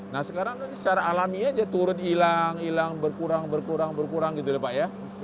nah sekarang secara alami aja turun hilang hilang berkurang berkurang berkurang gitu ya pak ya